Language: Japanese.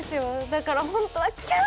だから本当はキャ！